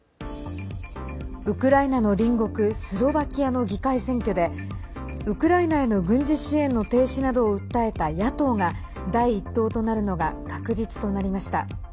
ウクライナの隣国スロバキアの議会選挙でウクライナへの軍事支援の停止などを訴えた野党が第１党となるのが確実となりました。